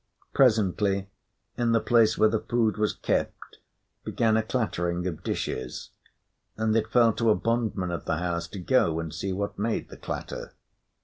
Presently, in the place where the food was kept, began a clattering of dishes; and it fell to a bondman of the house to go and see what made the clatter.